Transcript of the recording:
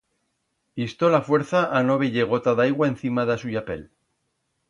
Isto l'afuerza a no veyer gota d'aigua encima d'a suya pell.